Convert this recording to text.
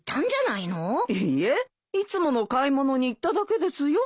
いつもの買い物に行っただけですよ。